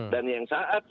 dan yang saat ini